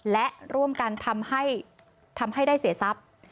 และร่วมกันทำให้ได้เสียทรัพย์